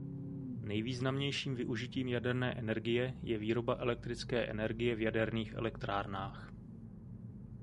Nejvýznamnějším využitím jaderné energie je výroba elektrické energie v jaderných elektrárnách.